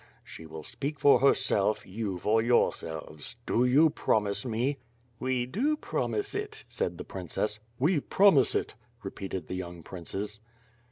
"She will speak for herself, you for yourselves. Do you promise me?" ^ "We do promise it," said the princess. "We promise it," repeated the younj? princes.